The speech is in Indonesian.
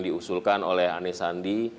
diusulkan oleh anisandi